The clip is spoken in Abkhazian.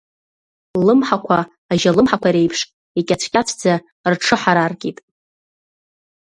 Ллымҳақәа, ажьа алымҳақәа реиԥш, икьацәкьацәӡа рҽыҳараркит.